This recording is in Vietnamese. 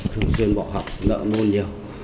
thường xuyên bỏ học nợ môn nhiều